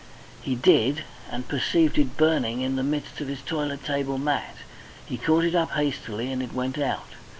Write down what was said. He did, and perceived it burning in the midst of his toilet table mat. He caught it up hastily, and it went out.